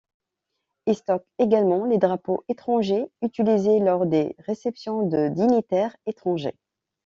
Ils stockent également les drapeaux étrangers utilisés lors des réceptions de dignitaires étrangers.